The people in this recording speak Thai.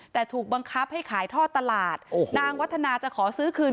แต่ถูกบังคับให้ขายท่อตลาดนางวัฒนาจะขอซื้อคืน